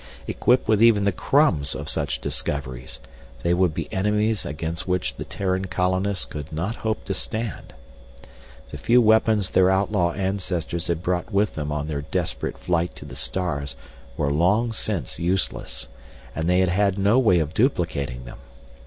Equipped with even the crumbs of such discoveries, they would be enemies against which the Terran colonists could not hope to stand. The few weapons their outlaw ancestors had brought with them on their desperate flight to the stars were long since useless, and they had had no way of duplicating them.